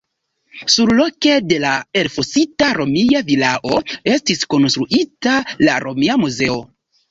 Surloke de la elfosita romia vilao estis konstruita la romia muzeo.